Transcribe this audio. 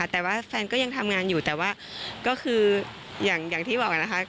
แต่ว่าแฟนก็ยังทำงานอยู่แต่ว่าก็คืออย่างที่บอกนะคะ